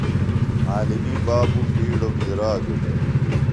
عالمیۡ بابوۡ بِیڈوۡ بِدراگوۡ دےۡ ۔